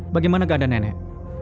bagaimana keadaan nenek